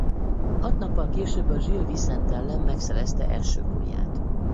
Hat nappal később a Gil Vicente ellen megszerezte első gólját.